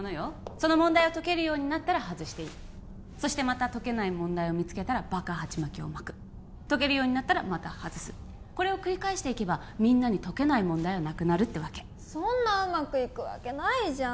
その問題を解けるようになったら外していいそしてまた解けない問題を見つけたらバカはちまきを巻く解けるようになったらまた外すこれを繰り返していけばみんなに解けない問題はなくなるってわけそんなうまくいくわけないじゃん